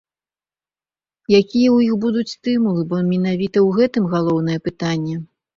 Якія ў іх будуць стымулы, бо менавіта ў гэтым галоўнае пытанне.